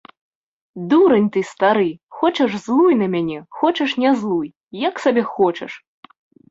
Дурань ты стары, хочаш злуй на мяне, хочаш не злуй, як сабе хочаш!